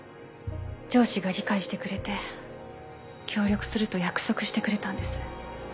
上司が理解してくれて協力すると約束してくれたんです。